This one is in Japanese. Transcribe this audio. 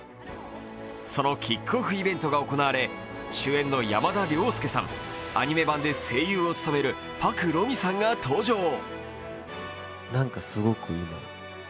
そのキックオフイベントが行われ主演の山田涼介さん、アニメ版で声優を務める朴ろ美さんが登場。